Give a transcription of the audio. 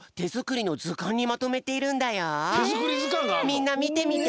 みんなみてみて！